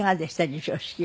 授賞式は。